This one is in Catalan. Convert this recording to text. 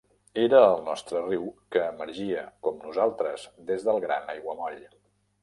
Era el nostre riu que emergia com nosaltres des del gran aiguamoll.